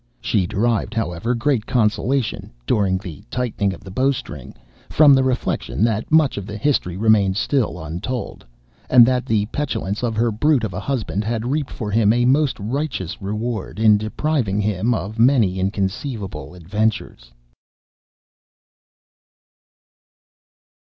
She derived, however, great consolation, (during the tightening of the bowstring,) from the reflection that much of the history remained still untold, and that the petulance of her brute of a husband had reaped for him a most righteous reward, in depriving him of many inconceivable adventures.